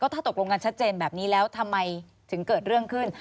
ถ้าตกลงกันชัดเจนแบบนี้แล้วทำไมถึงเกิดเรื่องขึ้น